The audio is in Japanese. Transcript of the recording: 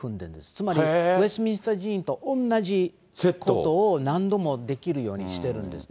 つまりウェストミンスター寺院と同じことを何度もできるようにしてるんですね。